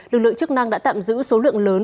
lực lượng chức năng đã tạm giữ số lượng lớn